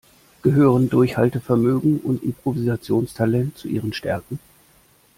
Gehören Durchhaltevermögen und Improvisationstalent zu Ihren Stärken?